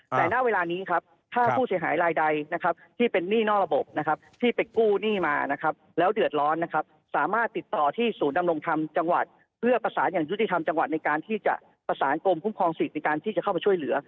แต่ณเวลานี้ครับถ้าผู้เสียหายลายใดนะครับที่เป็นหนี้นอกระบบนะครับที่ไปกู้หนี้มานะครับแล้วเดือดร้อนนะครับสามารถติดต่อที่ศูนย์ดำรงธรรมจังหวัดเพื่อประสานอย่างยุติธรรมจังหวัดในการที่จะประสานกรมคุ้มครองสิทธิ์ในการที่จะเข้าไปช่วยเหลือ